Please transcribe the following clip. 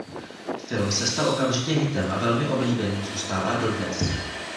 Film se stal okamžitě hitem a velmi oblíbený zůstává dodnes.